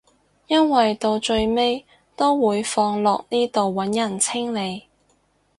因為到最尾都會放落呢度揾人清理